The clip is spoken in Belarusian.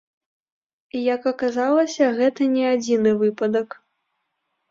Як аказалася, гэта не адзіны выпадак.